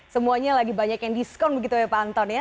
semuanya lagi banyak yang diskon begitu ya pak anton ya